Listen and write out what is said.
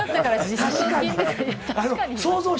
確かに。